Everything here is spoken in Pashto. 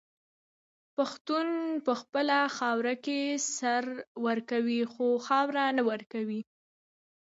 پښتون په خپله خاوره سر ورکوي خو خاوره نه ورکوي.